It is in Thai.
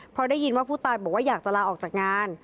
พอได้ยินว่าผู้ตายบอกว่าอยากจะลาออกจากงาน